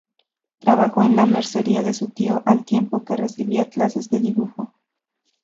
Trabajó en la mercería de su tío al tiempo que, recibía clases de dibujo.